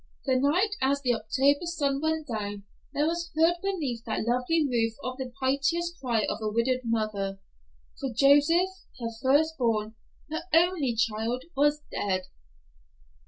That night as the October sun went down there was heard beneath that lonely roof the piteous cry of a widowed mother, for Joseph, her first born, her only child, was dead.